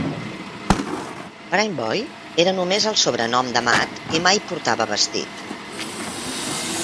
"Brain Boy" era només el sobrenom de Matt i mai portava vestit.